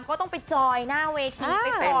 เขาต้องไปจอยหน้าเวที